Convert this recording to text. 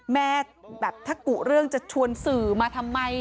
แบบถ้ากุเรื่องจะชวนสื่อมาทำไม